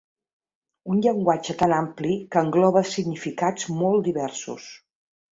Un llenguatge tan ampli que engloba significats molt diversos.